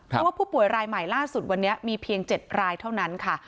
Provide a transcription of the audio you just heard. เพราะว่าผู้ป่วยรายใหม่ล่าสุดวันนี้มีเพียง๗รายเท่านั้นค่ะ